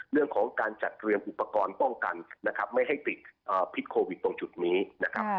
เรื่องของการจัดเตรียมอุปกรณ์ป้องกันนะครับไม่ให้ติดพิษโควิดตรงจุดนี้นะครับ